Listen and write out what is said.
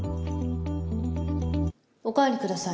おかわりください。